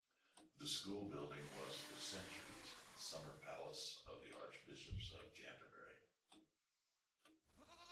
The school building was for centuries the summer palace of the Archbishops of Canterbury.